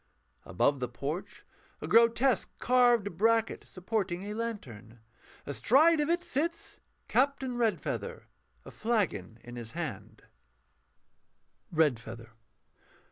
_ _Above the porch a grotesque carved bracket, supporting a lantern. Astride of it sits CAPTAIN REDFEATHER, a flagon in his hand_. REDFEATHER.